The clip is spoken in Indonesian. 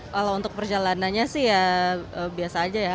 kalau untuk perjalanannya sih ya biasa aja ya